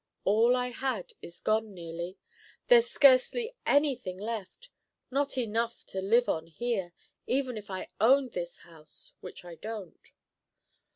All I had is gone, nearly. There's scarcely any thing left, not enough to live on here, even if I owned this house, which I don't."